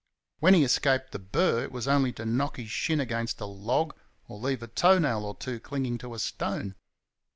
When he escaped the burr it was only to knock his shin against a log or leave a toe nail or two clinging to a stone.